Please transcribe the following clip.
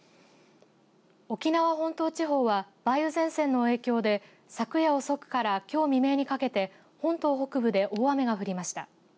沖縄本島地方は梅雨前線の影響で昨夜遅くからきょう未明にかけて本島北部で大雨が降りました。